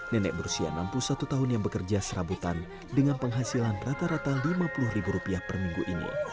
nenek berusia enam puluh satu tahun yang bekerja serabutan dengan penghasilan rata rata lima puluh ribu rupiah per minggu ini